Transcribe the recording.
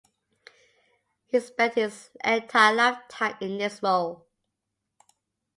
He spent his entire lifetime in this role.